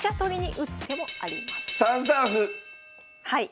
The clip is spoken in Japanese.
はい。